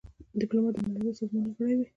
ډيپلومات د نړېوالو سازمانونو غړی وي.